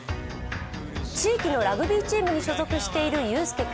地域のラグビーチームに所属している佑輔君。